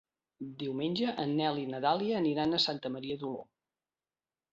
Diumenge en Nel i na Dàlia aniran a Santa Maria d'Oló.